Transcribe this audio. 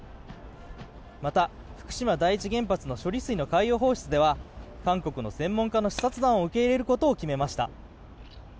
また、福島第一原発の処理水の海洋放出では韓国の専門家の視察団を受け入れることを決めました。